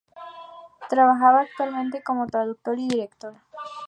Trabaja actualmente como traductor y director.